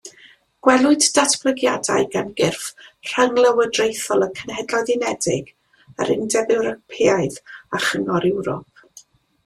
Gwelwyd datblygiadau gan gyrff rhynglywodraethol y Cenhedloedd Unedig, yr Undeb Ewropeaidd a Chyngor Ewrop.